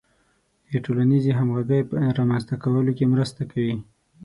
د ټولنیزې همغږۍ په رامنځته کولو کې مرسته کوي.